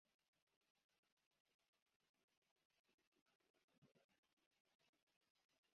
Hawa wa milimani waliitwa watu wa milimani au kwa lugha ni wamatumbi